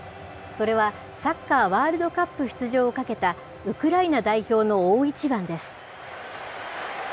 それはサッカーワールドカップ出場をかけた、ウクライナ代表の大一番です。